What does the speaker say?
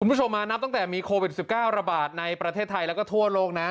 คุณผู้ชมมานับตั้งแต่มีโควิด๑๙ระบาดในประเทศไทยแล้วก็ทั่วโลกนะ